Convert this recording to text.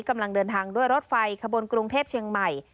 กำลังเดินทางด้วยรถไฟขบวนกรุงเทพเชียงใหม่